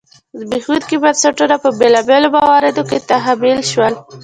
زبېښونکي بنسټونه په بېلابېلو مواردو کې تحمیل شول.